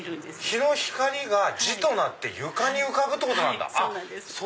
日の光が字となって床に浮かぶってことなんだ！